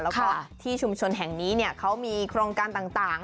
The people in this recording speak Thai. แล้วก็ที่ชุมชนแห่งนี้เขามีโครงการต่าง